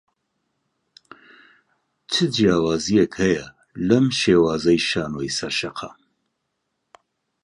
چ جیاوازییەک هەیە لەم شێوازەی شانۆی سەر شەقام؟